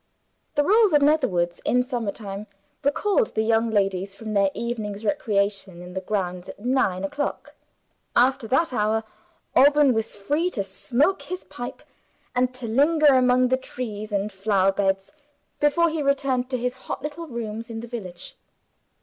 The rules of Netherwoods, in summer time, recalled the young ladies from their evening's recreation in the grounds at nine o'clock. After that hour, Alban was free to smoke his pipe, and to linger among trees and flower beds before he returned to his hot little rooms in the village.